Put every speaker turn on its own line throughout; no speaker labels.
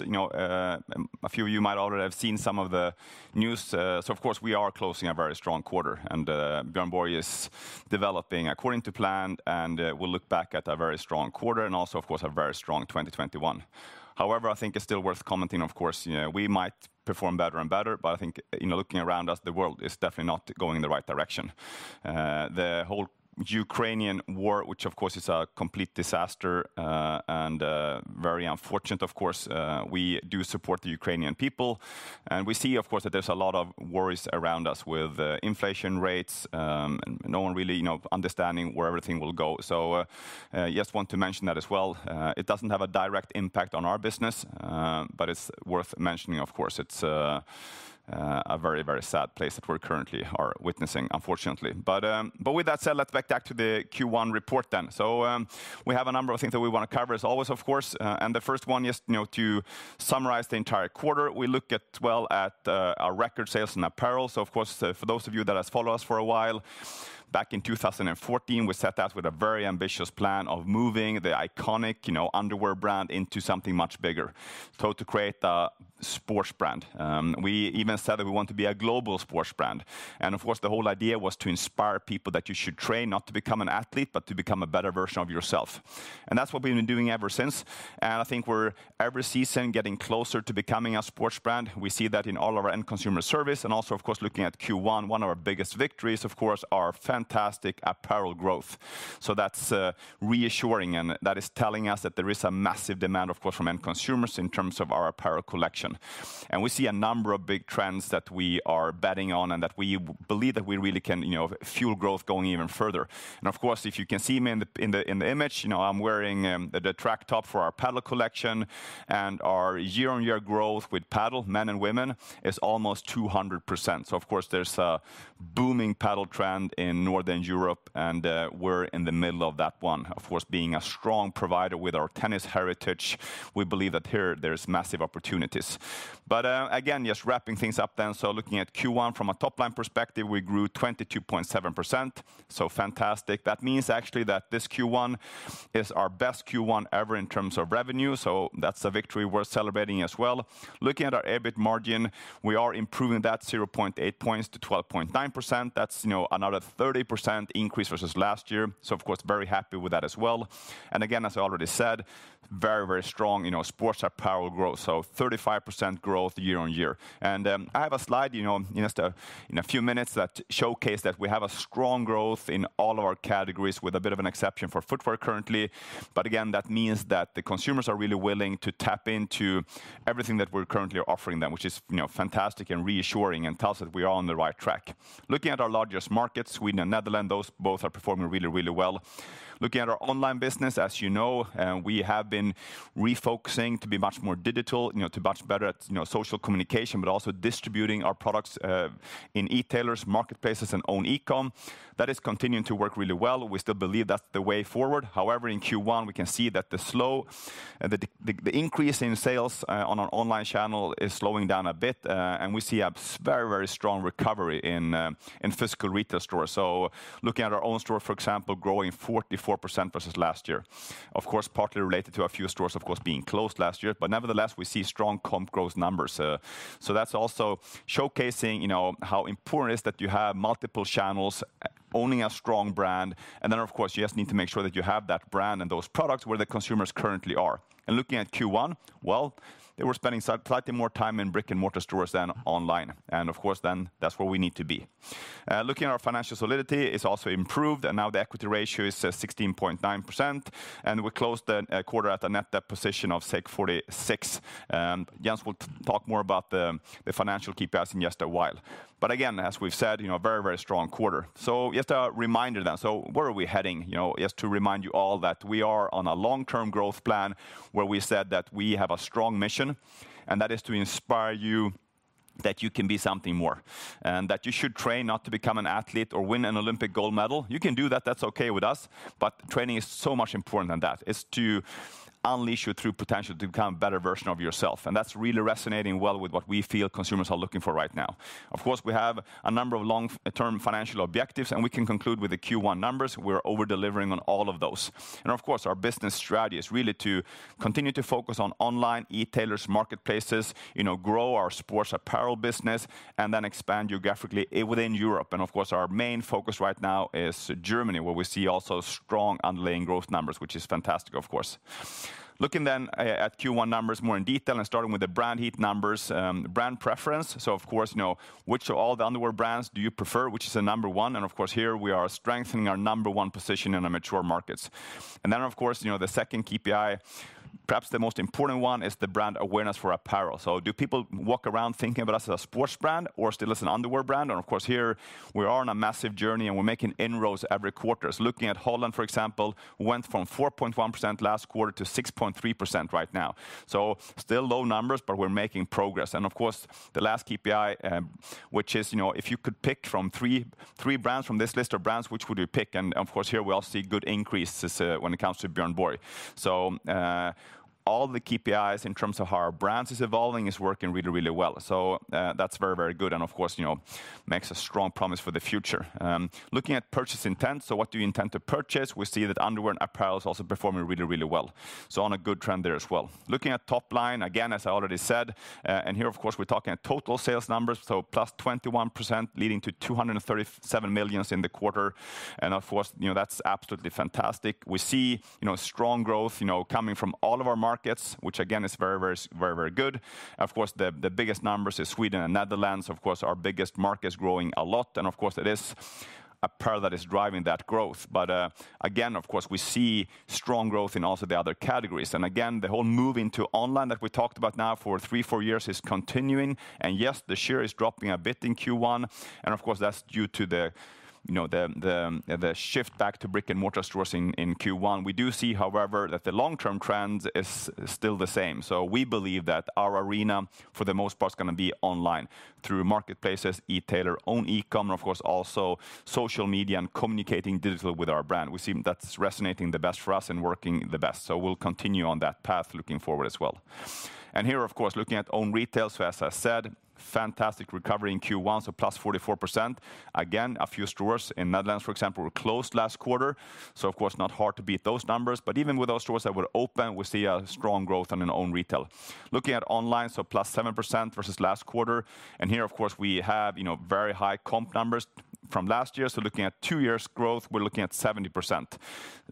You know, a few of you might already have seen some of the news. So, of course, we are closing a very strong quarter, and, Björn Borg is developing according to plan, and, we'll look back at a very strong quarter and also, of course, a very strong 2021. However, I think it's still worth commenting, of course, you know, we might perform better and better, but I think, you know, looking around us, the world is definitely not going in the right direction. The whole Ukrainian war, which, of course, is a complete disaster, and, very unfortunate, of course, we do support the Ukrainian people, and we see, of course, that there's a lot of worries around us with, inflation rates, and no one really, you know, understanding where everything will go. So, just want to mention that as well. It doesn't have a direct impact on our business, but it's worth mentioning, of course. It's a very, very sad place that we're currently witnessing, unfortunately. But with that said, let's get back to the Q1 report then. So, we have a number of things that we want to cover, as always, of course, and the first one is, you know, to summarize the entire quarter. We look at, well, at, our record sales and apparel. So, of course, for those of you that have followed us for a while, back in 2014, we set out with a very ambitious plan of moving the iconic, you know, underwear brand into something much bigger, so to create a sports brand. We even said that we want to be a global sports brand. Of course, the whole idea was to inspire people that you should train, not to become an athlete, but to become a better version of yourself. That's what we've been doing ever since. I think we're every season getting closer to becoming a sports brand. We see that in all of our end consumer service. Also, of course, looking at Q1, one of our biggest victories, of course, our fantastic apparel growth. That's reassuring, and that is telling us that there is a massive demand, of course, from end consumers in terms of our apparel collection. We see a number of big trends that we are betting on and that we believe that we really can, you know, fuel growth going even further. Of course, if you can see me in the image, you know, I'm wearing the track top for our Padel collection, and our year-on-year growth with Padel, men and women, is almost 200%. So, of course, there's a booming Padel trend in Northern Europe, and we're in the middle of that one. Of course, being a strong provider with our tennis heritage, we believe that here there's massive opportunities. But, again, just wrapping things up then. So looking at Q1 from a top-line perspective, we grew 22.7%. So fantastic. That means actually that this Q1 is our best Q1 ever in terms of revenue. So that's a victory worth celebrating as well. Looking at our EBIT margin, we are improving that 0.8 points to 12.9%. That's, you know, another 30% increase versus last year. So, of course, very happy with that as well. Again, as I already said, very, very strong, you know, sports apparel growth. So 35% growth year-on-year. I have a slide, you know, in just a few minutes that showcase that we have a strong growth in all of our categories with a bit of an exception for footwear currently. But again, that means that the consumers are really willing to tap into everything that we're currently offering them, which is, you know, fantastic and reassuring and tells us that we are on the right track. Looking at our largest markets, Sweden and Netherlands, those both are performing really, really well. Looking at our online business, as you know, we have been refocusing to be much more digital, you know, to much better at, you know, social communication, but also distributing our products in e-tailers, marketplaces, and own e-com. That is continuing to work really well. We still believe that's the way forward. However, in Q1, we can see that the slow increase in sales on our online channel is slowing down a bit, and we see a very, very strong recovery in physical retail stores, so looking at our own store, for example, growing 44% versus last year. Of course, partly related to a few stores, of course, being closed last year, but nevertheless, we see strong comp growth numbers, so that's also showcasing, you know, how important it is that you have multiple channels owning a strong brand. And then, of course, you just need to make sure that you have that brand and those products where the consumers currently are, and looking at Q1, well, they were spending slightly more time in brick-and-mortar stores than online. Of course, then that's where we need to be. Looking at our financial solidity, it's also improved, and now the equity ratio is 16.9%. We closed the quarter at a net debt position of 646. Jens will talk more about the financial key figures in just a while. But again, as we've said, you know, a very, very strong quarter. Just a reminder then. Where are we heading, you know, just to remind you all that we are on a long-term growth plan where we said that we have a strong mission, and that is to inspire you that you can be something more and that you should train not to become an athlete or win an Olympic gold medal. You can do that. That's okay with us. But training is so much more important than that. It's to unleash your true potential to become a better version of yourself. And that's really resonating well with what we feel consumers are looking for right now. Of course, we have a number of long-term financial objectives, and we can conclude with the Q1 numbers. We're over-delivering on all of those. Our business strategy is really to continue to focus on online e-tailers, marketplaces, you know, grow our sports apparel business, and then expand geographically within Europe. Our main focus right now is Germany, where we see also strong underlying growth numbers, which is fantastic, of course. Looking then at Q1 numbers more in detail and starting with the brand health numbers, brand preference. So, of course, you know, which of all the underwear brands do you prefer, which is the number one? And, of course, here we are strengthening our number one position in our mature markets. And then, of course, you know, the second KPI, perhaps the most important one, is the brand awareness for apparel. So do people walk around thinking about us as a sports brand or still as an underwear brand? And, of course, here we are on a massive journey, and we're making inroads every quarter. So looking at Holland, for example, went from 4.1% last quarter to 6.3% right now. So still low numbers, but we're making progress. And, of course, the last KPI, which is, you know, if you could pick from three, three brands from this list of brands, which would you pick? And, of course, here we also see good increases, when it comes to Björn Borg. So, all the KPIs in terms of how our brand is evolving is working really, really well. So, that's very, very good. And, of course, you know, makes a strong promise for the future. Looking at purchase intent. So what do you intend to purchase? We see that underwear and apparel is also performing really, really well. So on a good trend there as well. Looking at top line, again, as I already said, and here, of course, we're talking total sales numbers. So +21% leading to 237 million in the quarter. And, of course, you know, that's absolutely fantastic. We see, you know, strong growth, you know, coming from all of our markets, which again is very, very, very, very good. Of course, the biggest numbers is Sweden and Netherlands. Of course, our biggest market is growing a lot. And, of course, it is apparel that is driving that growth. But, again, of course, we see strong growth in also the other categories. And again, the whole move into online that we talked about now for three, four years is continuing. And yes, the share is dropping a bit in Q1. And, of course, that's due to the, you know, the shift back to brick-and-mortar stores in Q1. We do see, however, that the long-term trend is still the same. So we believe that our arena, for the most part, is going to be online through marketplaces, e-tailer, own e-com, and, of course, also social media and communicating digitally with our brand. We see that's resonating the best for us and working the best. So we'll continue on that path looking forward as well. And here, of course, looking at own retail. So, as I said, fantastic recovery in Q1. So +44%. Again, a few stores in Netherlands, for example, were closed last quarter. So, of course, not hard to beat those numbers. But even with those stores that were open, we see a strong growth on own retail. Looking at online, so +7% versus last quarter. And here, of course, we have, you know, very high comp numbers from last year. So looking at two years' growth, we're looking at 70%.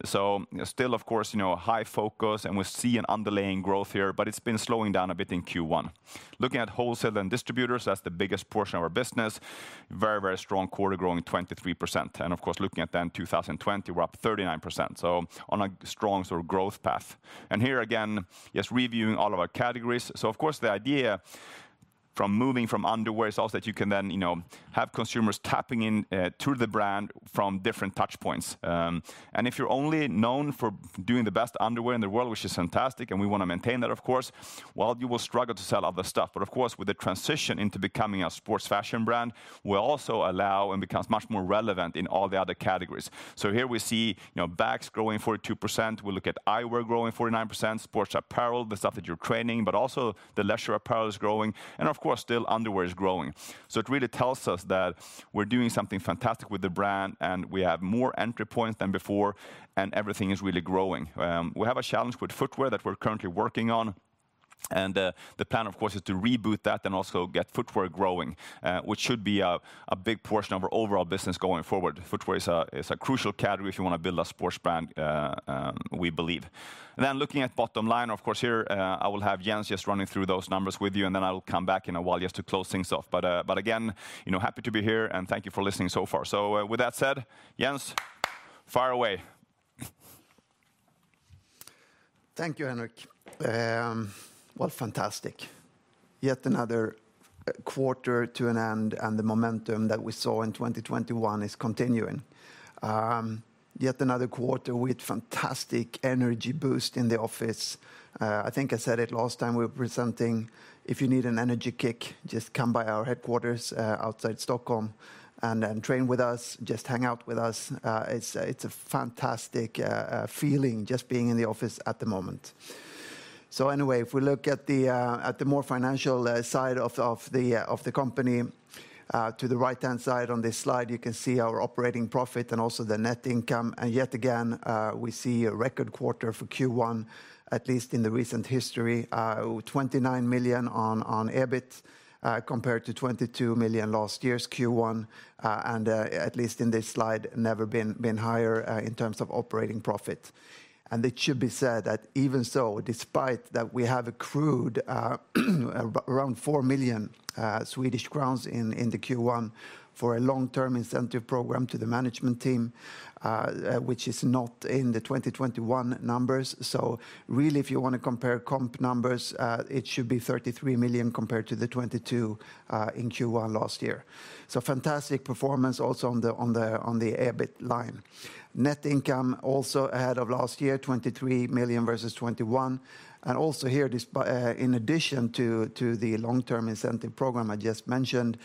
So still, of course, you know, high focus, and we see an underlying growth here, but it's been slowing down a bit in Q1. Looking at wholesale and distributors, that's the biggest portion of our business. Very, very strong quarter growing 23%. And, of course, looking at then 2020, we're up 39%. So on a strong sort of growth path. And here, again, just reviewing all of our categories. So, of course, the idea from moving from underwear is also that you can then, you know, have consumers tapping in, to the brand from different touch points. And if you're only known for doing the best underwear in the world, which is fantastic, and we want to maintain that, of course, well, you will struggle to sell other stuff. But, of course, with the transition into becoming a sports fashion brand, we'll also allow and become much more relevant in all the other categories. So here we see, you know, bags growing 42%. We look at eyewear growing 49%, sports apparel, the stuff that you're training, but also the leisure apparel is growing. And, of course, still underwear is growing. So it really tells us that we're doing something fantastic with the brand, and we have more entry points than before, and everything is really growing. We have a challenge with footwear that we're currently working on, and the plan, of course, is to reboot that and also get footwear growing, which should be a big portion of our overall business going forward. Footwear is a crucial category if you want to build a sports brand, we believe, and then looking at bottom line, of course, here, I will have Jens just running through those numbers with you, and then I'll come back in a while just to close things off, but again, you know, happy to be here, and thank you for listening so far. With that said, Jens, fire away.
Thank you, Henrik. Fantastic. Yet another quarter to an end, and the momentum that we saw in 2021 is continuing. Yet another quarter with fantastic energy boost in the office. I think I said it last time we were presenting, if you need an energy kick, just come by our headquarters, outside Stockholm, and then train with us, just hang out with us. It's a fantastic feeling just being in the office at the moment. Anyway, if we look at the more financial side of the company, to the right-hand side on this slide, you can see our operating profit and also the net income. Yet again, we see a record quarter for Q1, at least in the recent history, 29 million on EBIT, compared to 22 million last year's Q1. And, at least in this slide, never been higher in terms of operating profit. And it should be said that even so, despite that, we have accrued around 4 million Swedish crowns in the Q1 for a long-term incentive program to the management team, which is not in the 2021 numbers. So really, if you want to compare comp numbers, it should be 33 million compared to the 22 million in Q1 last year. So fantastic performance also on the EBIT line. Net income also ahead of last year, 23 million versus 21 million. And also here, this in addition to the long-term incentive program I just mentioned,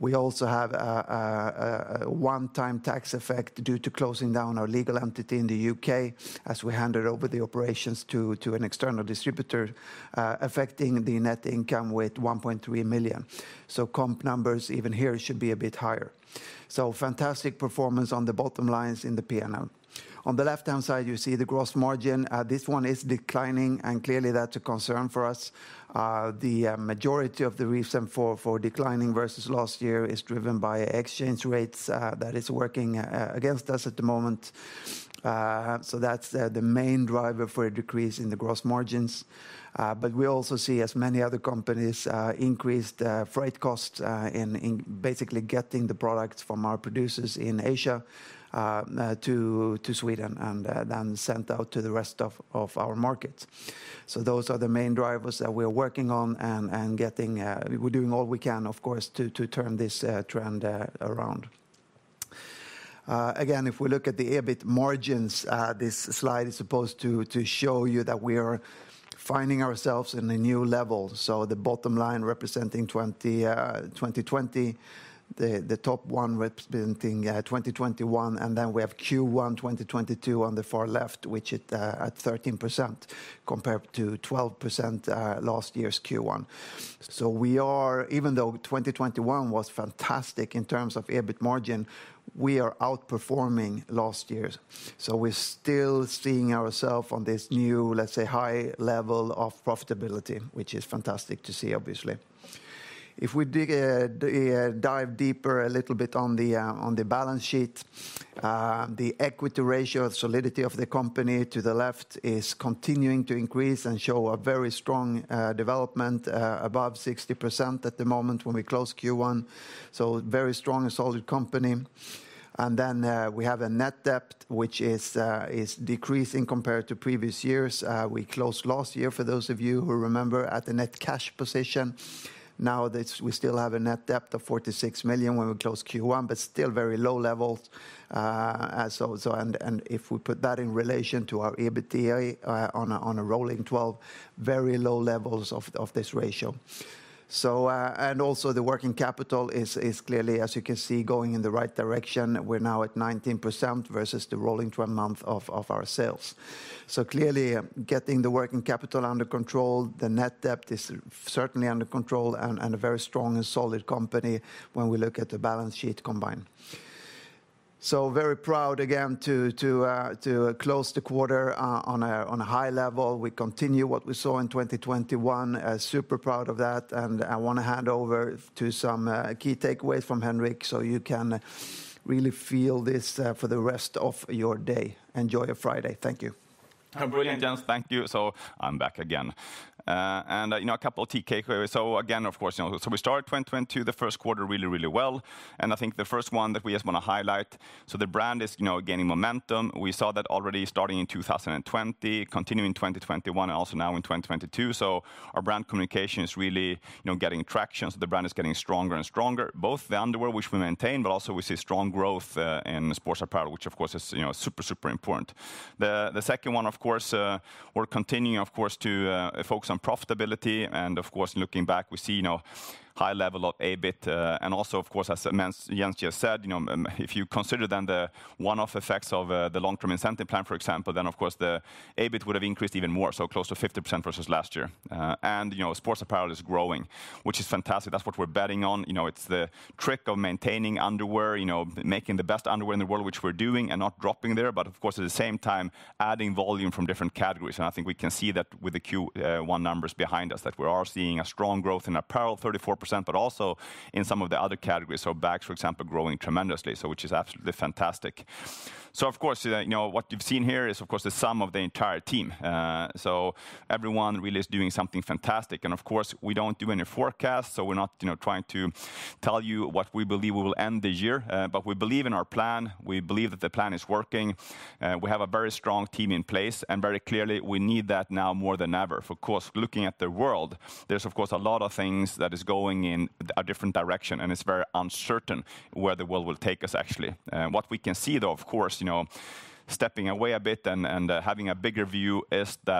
we also have a one-time tax effect due to closing down our legal entity in the U.K. as we handed over the operations to an external distributor, affecting the net income with 1.3 million. So comp numbers even here should be a bit higher. So fantastic performance on the bottom lines in the P&L. On the left-hand side, you see the gross margin. This one is declining, and clearly that's a concern for us. The majority of the reason for declining versus last year is driven by exchange rates that is working against us at the moment. So that's the main driver for a decrease in the gross margins. But we also see, as many other companies, increased freight costs in basically getting the products from our producers in Asia to Sweden and then sent out to the rest of our markets. So those are the main drivers that we are working on and getting. We're doing all we can, of course, to turn this trend around. Again, if we look at the EBIT margins, this slide is supposed to show you that we are finding ourselves in a new level. So the bottom line representing 2020, the top one representing 2021, and then we have Q1 2022 on the far left, which is at 13% compared to 12% last year's Q1. So we are even though 2021 was fantastic in terms of EBIT margin, we are outperforming last year. So we're still seeing ourselves on this new, let's say, high level of profitability, which is fantastic to see, obviously. If we dive deeper a little bit on the balance sheet, the equity ratio, solidity of the company to the left is continuing to increase and show a very strong development, above 60% at the moment when we close Q1. So very strong and solid company. Then, we have a net debt, which is decreasing compared to previous years. We closed last year, for those of you who remember, at a net cash position. Now that we still have a net debt of 46 million when we closed Q1, but still very low levels. And if we put that in relation to our EBITDA, on a rolling 12, very low levels of this ratio. Also the working capital is clearly, as you can see, going in the right direction. We're now at 19% versus the rolling 12 month of our sales. Clearly, getting the working capital under control, the net debt is certainly under control and a very strong and solid company when we look at the balance sheet combined. Very proud again to close the quarter on a high level. We continue what we saw in 2021. Super proud of that. I want to hand over to some key takeaways from Henrik so you can really feel this for the rest of your day. Enjoy your Friday. Thank you.
Hi, Hjalmar and Jens, thank you. I'm back again, and, you know, a couple of key takeaways. Again, of course, you know, we started 2022, the first quarter really, really well. I think the first one that we just want to highlight, so the brand is, you know, gaining momentum. We saw that already starting in 2020, continuing in 2021, and also now in 2022. Our brand communication is really, you know, getting traction. The brand is getting stronger and stronger, both the underwear, which we maintain, but also we see strong growth in sports apparel, which, of course, is, you know, super, super important. The second one, of course, we're continuing, of course, to focus on profitability. Of course, looking back, we see, you know, high level of EBIT, and also, of course, as Jens just said, you know, if you consider then the one-off effects of the long-term incentive plan, for example, then, of course, the EBIT would have increased even more, so close to 50% versus last year, and you know, sports apparel is growing, which is fantastic. That's what we're betting on. You know, it's the trick of maintaining underwear, you know, making the best underwear in the world, which we're doing and not dropping there, but, of course, at the same time, adding volume from different categories. I think we can see that with the Q1 numbers behind us, that we are seeing a strong growth in apparel, 34%, but also in some of the other categories. Bags, for example, growing tremendously, so which is absolutely fantastic. So, of course, you know, what you've seen here is, of course, the sum of the entire team. So everyone really is doing something fantastic. And, of course, we don't do any forecasts, so we're not, you know, trying to tell you what we believe will end the year. But we believe in our plan. We believe that the plan is working. We have a very strong team in place, and very clearly, we need that now more than ever. Of course, looking at the world, there's, of course, a lot of things that are going in a different direction, and it's very uncertain where the world will take us, actually. What we can see, though, of course, you know, stepping away a bit and having a bigger view is that,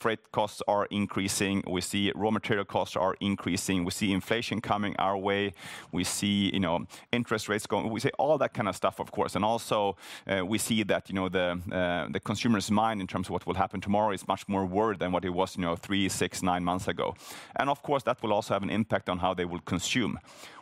freight costs are increasing. We see raw material costs are increasing. We see inflation coming our way. We see, you know, interest rates going. We see all that kind of stuff, of course. And also, we see that, you know, the consumer's mind in terms of what will happen tomorrow is much more worried than what it was, you know, three, six, nine months ago. And, of course, that will also have an impact on how they will consume.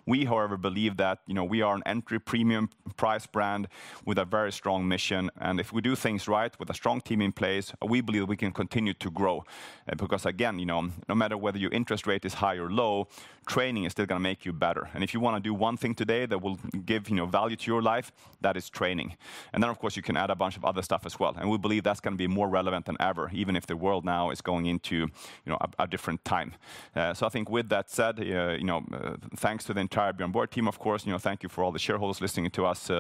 We, however, believe that, you know, we are an entry premium price brand with a very strong mission. And if we do things right with a strong team in place, we believe we can continue to grow. And because, again, you know, no matter whether your interest rate is high or low, training is still going to make you better. And if you want to do one thing today that will give, you know, value to your life, that is training. And then, of course, you can add a bunch of other stuff as well. We believe that's going to be more relevant than ever, even if the world now is going into, you know, a different time. So I think with that said, you know, thanks to the entire Björn Borg team, of course, you know, thank you for all the shareholders listening to us.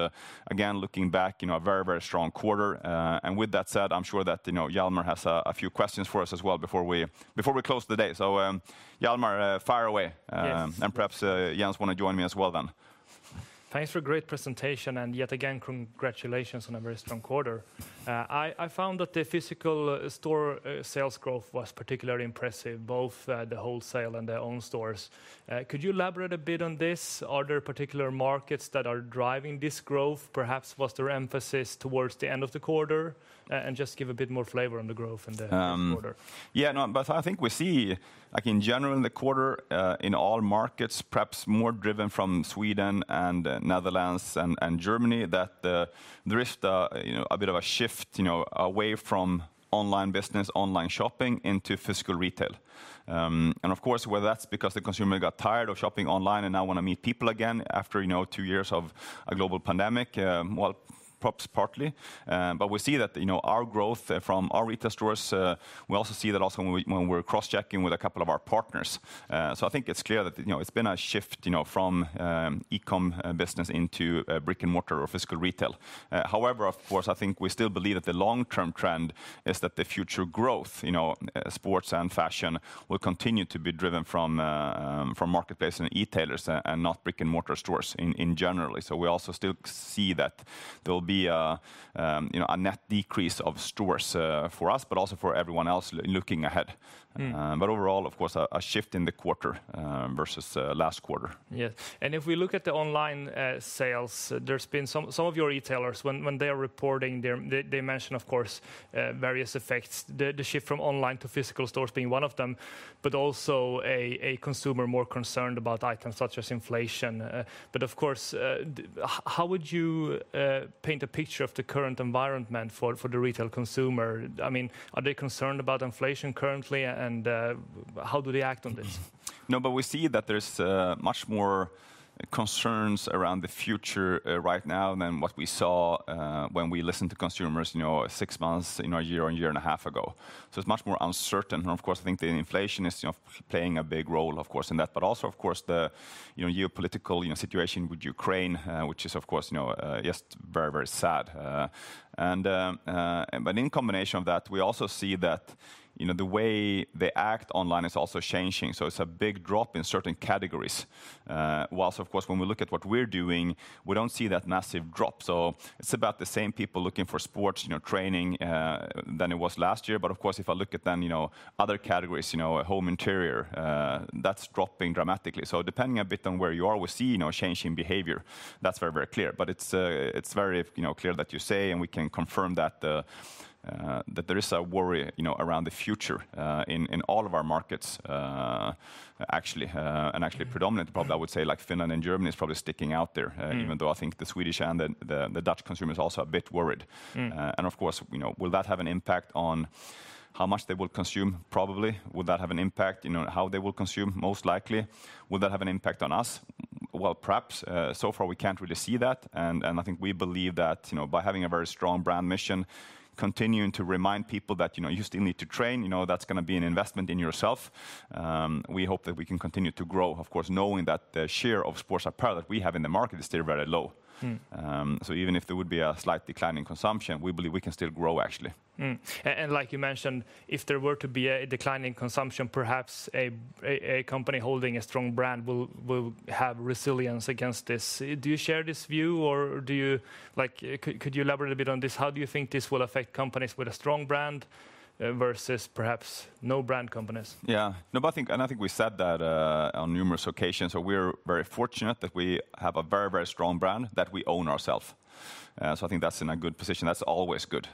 Again, looking back, you know, a very, very strong quarter. And with that said, I'm sure that, you know, Hjalmar has a few questions for us as well before we close the day. So, Hjalmar, fire away. And perhaps, Jens want to join me as well then.
Thanks for a great presentation. And yet again, congratulations on a very strong quarter. I found that the physical store sales growth was particularly impressive, both the wholesale and the own stores. Could you elaborate a bit on this? Are there particular markets that are driving this growth? Perhaps was there emphasis towards the end of the quarter? And just give a bit more flavor on the growth in the quarter.
Yeah, no, but I think we see, like in general, in the quarter, in all markets, perhaps more driven from Sweden and the Netherlands and, and Germany, that the, there is the, you know, a bit of a shift, you know, away from online business, online shopping into physical retail. And of course, whether that's because the consumer got tired of shopping online and now want to meet people again after, you know, two years of a global pandemic, well, perhaps partly. But we see that, you know, our growth from our retail stores. We also see that also when we, when we're cross-checking with a couple of our partners. So I think it's clear that, you know, it's been a shift, you know, from e-com business into brick-and-mortar or physical retail. However, of course, I think we still believe that the long-term trend is that the future growth, you know, sports and fashion will continue to be driven from marketplace and retailers and not brick-and-mortar stores in general. So we also still see that there will be a, you know, a net decrease of stores, for us, but also for everyone else looking ahead. But overall, of course, a shift in the quarter, versus last quarter.
Yes. And if we look at the online sales, there's been some of your retailers, when they are reporting, they mention, of course, various effects, the shift from online to physical stores being one of them, but also a consumer more concerned about items such as inflation. But of course, how would you paint a picture of the current environment for the retail consumer? I mean, are they concerned about inflation currently? And how do they act on this?
No, but we see that there's much more concerns around the future right now than what we saw when we listened to consumers, you know, six months, you know, a year and a year and a half ago. So it's much more uncertain. And of course, I think the inflation is, you know, playing a big role, of course, in that, but also, of course, the, you know, geopolitical, you know, situation with Ukraine, which is, of course, you know, just very, very sad, and but in combination of that, we also see that, you know, the way they act online is also changing. So it's a big drop in certain categories whilst, of course, when we look at what we're doing, we don't see that massive drop. So it's about the same people looking for sports, you know, training, than it was last year. But of course, if I look at then, you know, other categories, you know, home interior, that's dropping dramatically. So depending a bit on where you are, we see, you know, a change in behavior. That's very, very clear. But it's very, you know, clear that you say, and we can confirm that, that there is a worry, you know, around the future, in all of our markets, actually, and actually predominantly probably, I would say, like Finland and Germany is probably sticking out there, even though I think the Swedish and the Dutch consumer is also a bit worried, and of course, you know, will that have an impact on how much they will consume? Probably. Will that have an impact, you know, on how they will consume? Most likely. Will that have an impact on us? Perhaps, so far we can't really see that. I think we believe that, you know, by having a very strong brand mission, continuing to remind people that, you know, you still need to train, you know, that's going to be an investment in yourself. We hope that we can continue to grow, of course, knowing that the share of sports apparel that we have in the market is still very low, so even if there would be a slight decline in consumption, we believe we can still grow, actually.
Like you mentioned, if there were to be a decline in consumption, perhaps a company holding a strong brand will have resilience against this. Do you share this view or do you, like, could you elaborate a bit on this? How do you think this will affect companies with a strong brand, versus perhaps no brand companies?
Yeah, no, but I think, and I think we said that on numerous occasions. So we're very fortunate that we have a very, very strong brand that we own ourselves. So I think that's in a good position. That's always good.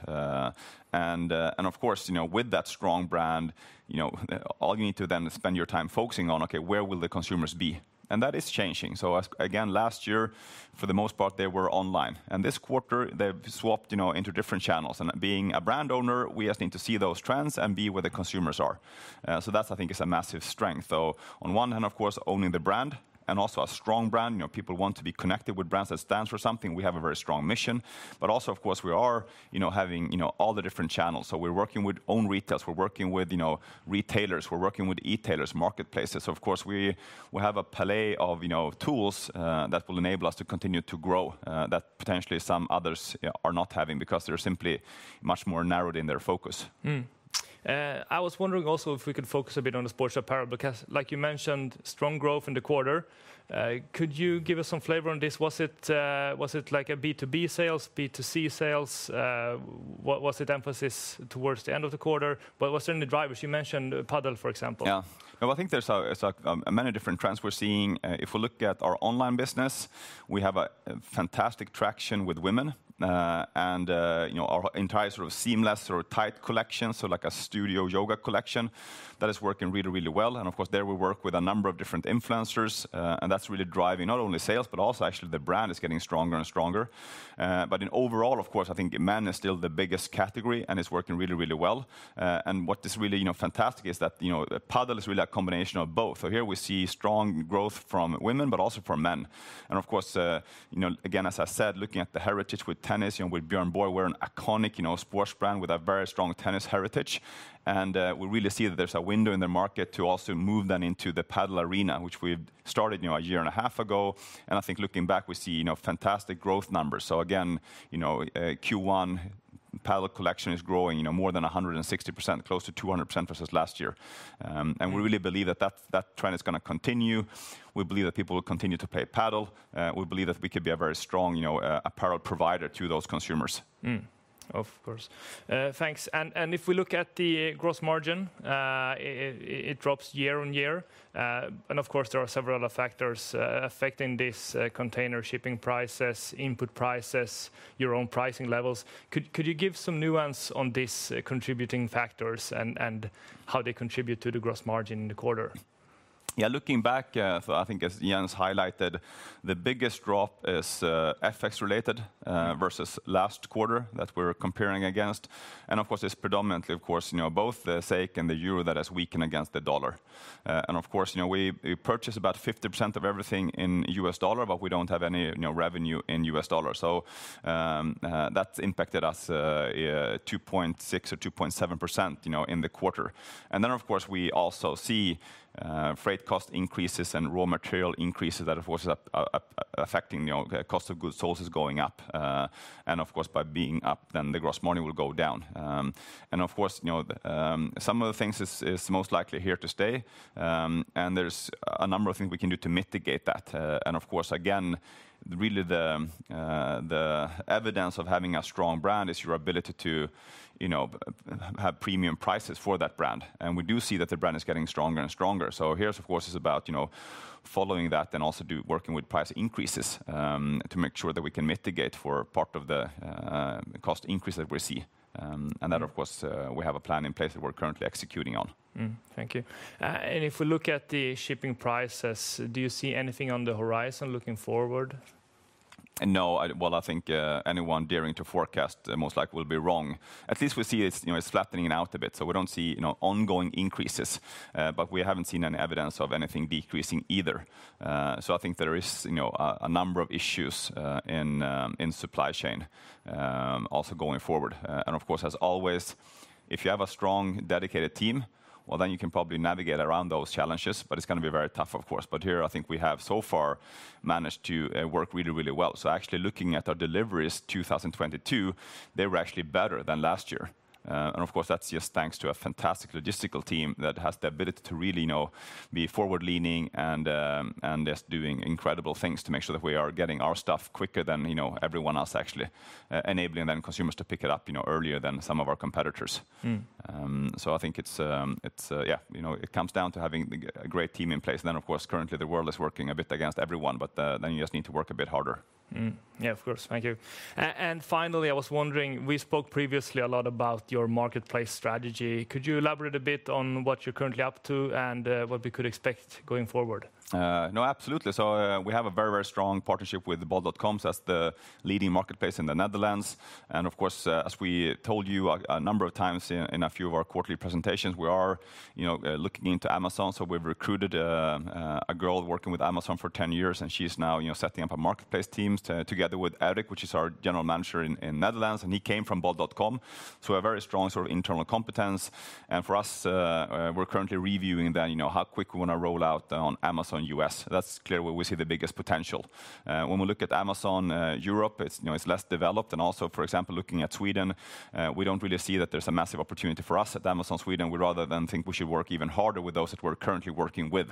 And, of course, you know, with that strong brand, you know, all you need to then spend your time focusing on, okay, where will the consumers be? And that is changing. So again, last year, for the most part, they were online. And this quarter, they've swapped, you know, into different channels. And being a brand owner, we just need to see those trends and be where the consumers are. So that's, I think, is a massive strength. So on one hand, of course, owning the brand and also a strong brand, you know, people want to be connected with brands that stand for something. We have a very strong mission, but also, of course, we are, you know, having, you know, all the different channels. So we're working with own retail, we're working with, you know, retailers, we're working with e-tailers, marketplaces. So, of course, we have a plethora of, you know, tools that will enable us to continue to grow, that potentially some others are not having because they're simply much more narrowed in their focus.
I was wondering also if we could focus a bit on the sports apparel because, like you mentioned, strong growth in the quarter. Could you give us some flavor on this? Was it like a B2B sales, B2C sales? What was the emphasis towards the end of the quarter? What was it in the drivers? You mentioned Padel, for example.
Yeah. No, I think there's many different trends we're seeing. If we look at our online business, we have fantastic traction with women. And, you know, our entire sort of seamless or tight collection, so like a studio yoga collection that is working really, really well. Of course, there we work with a number of different influencers. And that's really driving not only sales, but also actually the brand is getting stronger and stronger. In overall, of course, I think men is still the biggest category and it's working really, really well. What is really, you know, fantastic is that, you know, Padel is really a combination of both. So here we see strong growth from women, but also from men. Of course, you know, again, as I said, looking at the heritage with tennis, you know, with Björn Borg, we're an iconic, you know, sports brand with a very strong tennis heritage. We really see that there's a window in the market to also move them into the Padel arena, which we started, you know, a year and a half ago. I think looking back, we see, you know, fantastic growth numbers. Again, you know, Q1 Padel collection is growing, you know, more than 160%, close to 200% versus last year. We really believe that that, that trend is going to continue. We believe that people will continue to play Padel. We believe that we could be a very strong, you know, apparel provider to those consumers.
Of course. Thanks. If we look at the gross margin, it drops year-on-year. And of course, there are several factors affecting this: container shipping prices, input prices, your own pricing levels. Could you give some nuance on these contributing factors and how they contribute to the gross margin in the quarter?
Yeah, looking back, so I think as Jens highlighted, the biggest drop is FX related versus last quarter that we're comparing against. And of course, it's predominantly, of course, you know, both the SEK and the euro that has weakened against the dollar. And of course, you know, we, we purchase about 50% of everything in US dollar, but we don't have any, you know, revenue in US dollar. So, that's impacted us 2.6% or 2.7%, you know, in the quarter. And then, of course, we also see freight cost increases and raw material increases that, of course, is affecting, you know, cost of goods sold going up. And of course, by being up, then the gross margin will go down. And of course, you know, some of the things is, is most likely here to stay. And there's a number of things we can do to mitigate that. Of course, again, really the evidence of having a strong brand is your ability to, you know, have premium prices for that brand. We do see that the brand is getting stronger and stronger. Here's, of course, it's about, you know, following that and also do working with price increases, to make sure that we can mitigate for part of the cost increase that we see. That, of course, we have a plan in place that we're currently executing on.
Thank you. And if we look at the shipping prices, do you see anything on the horizon looking forward?
No, well, I think anyone daring to forecast most likely will be wrong. At least we see it's, you know, it's flattening out a bit. So we don't see, you know, ongoing increases, but we haven't seen any evidence of anything decreasing either. So I think there is, you know, a number of issues in supply chain also going forward. And of course, as always, if you have a strong, dedicated team, well, then you can probably navigate around those challenges, but it's going to be very tough, of course. But here, I think we have so far managed to work really, really well. So actually looking at our deliveries 2022, they were actually better than last year. And of course, that's just thanks to a fantastic logistical team that has the ability to really, you know, be forward-leaning and just doing incredible things to make sure that we are getting our stuff quicker than, you know, everyone else actually, enabling then consumers to pick it up, you know, earlier than some of our competitors. So I think it's, yeah, you know, it comes down to having a great team in place. And then, of course, currently the world is working a bit against everyone, but then you just need to work a bit harder.
Yeah, of course. Thank you. And finally, I was wondering, we spoke previously a lot about your marketplace strategy. Could you elaborate a bit on what you're currently up to and what we could expect going forward?
No, absolutely. So, we have a very, very strong partnership with Bol.com as the leading marketplace in the Netherlands. And of course, as we told you a number of times in a few of our quarterly presentations, we are, you know, looking into Amazon. So we've recruited, a girl working with Amazon for 10 years, and she's now, you know, setting up a marketplace team together with Erik, which is our general manager in Netherlands. And he came from Bol.com. So a very strong sort of internal competence. And for us, we're currently reviewing then, you know, how quick we want to roll out on Amazon U.S. That's clearly where we see the biggest potential. When we look at Amazon Europe, it's, you know, it's less developed. And also, for example, looking at Sweden, we don't really see that there's a massive opportunity for us at Amazon Sweden. We rather than think we should work even harder with those that we're currently working with,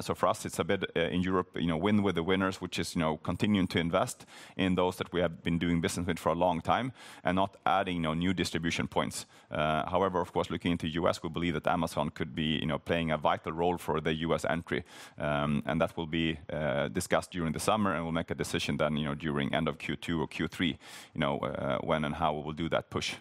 so for us, it's a bit in Europe, you know, win with the winners, which is, you know, continuing to invest in those that we have been doing business with for a long time and not adding, you know, new distribution points, however, of course, looking into U.S., we believe that Amazon could be, you know, playing a vital role for the U.S. entry, and that will be discussed during the summer and we'll make a decision then, you know, during end of Q2 or Q3, you know, when and how we will do that push.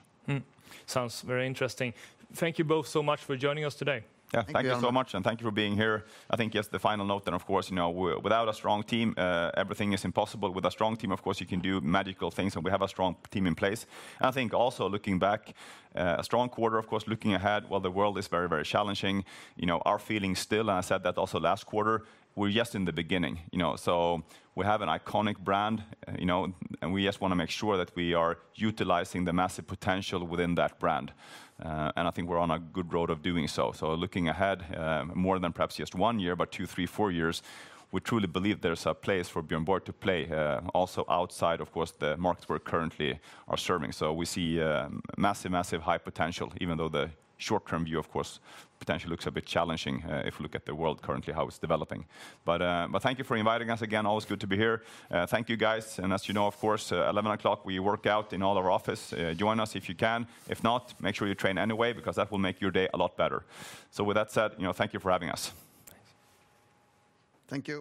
Sounds very interesting. Thank you both so much for joining us today.
Yeah, thank you so much. And thank you for being here. I think just the final note that, of course, you know, without a strong team, everything is impossible. With a strong team, of course, you can do magical things. And we have a strong team in place. And I think also looking back, a strong quarter, of course, looking ahead, while the world is very, very challenging, you know, our feeling still, and I said that also last quarter, we're just in the beginning, you know, so we have an iconic brand, you know, and we just want to make sure that we are utilizing the massive potential within that brand, and I think we're on a good road of doing so. So looking ahead, more than perhaps just one year, but two, three, four years, we truly believe there's a place for Björn Borg to play, also outside, of course, the markets we're currently serving. So we see a massive, massive high potential, even though the short-term view, of course, potentially looks a bit challenging if we look at the world currently, how it's developing. But thank you for inviting us again. Always good to be here. Thank you guys. And as you know, of course, 11:00 A.M. we work out in all our office. Join us if you can. If not, make sure you train anyway, because that will make your day a lot better. So with that said, you know, thank you for having us.
Thank you.